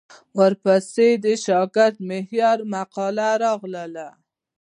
ورپسې د شاکر مهریار مقاله راغله.